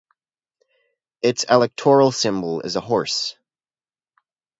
Its electoral symbol is a horse.